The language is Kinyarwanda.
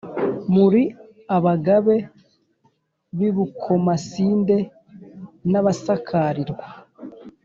muri abagabe b’i bukomasinde na busakarirwa